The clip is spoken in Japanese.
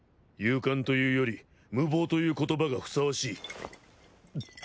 勇敢というより無謀という言葉がふさわしい。